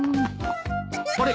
あれ？